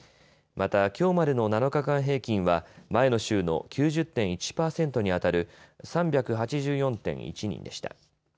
またきょうまでの７日間平均は前の週の９０．１％にあたる３８４．１人でした。